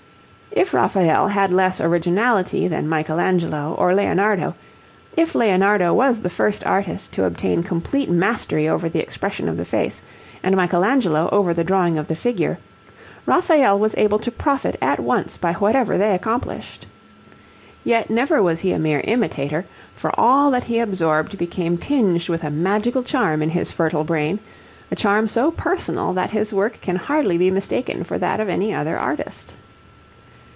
If Raphael had less originality than Michelangelo or Leonardo, if Leonardo was the first artist to obtain complete mastery over the expression of the face and Michelangelo over the drawing of the figure, Raphael was able to profit at once by whatever they accomplished. Yet never was he a mere imitator, for all that he absorbed became tinged with a magical charm in his fertile brain, a charm so personal that his work can hardly be mistaken for that of any other artist.